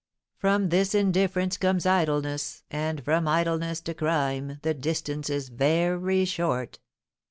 From this indifference comes idleness, and from idleness to crime the distance is very short.